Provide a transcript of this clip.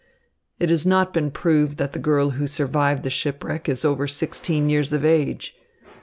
"It has not been proved that the girl who survived the shipwreck is over sixteen years of age.